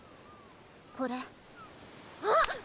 これあっ！